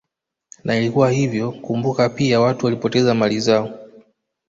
Na ilikuwa hivyo kumbuka pia watu walipoteza mali zao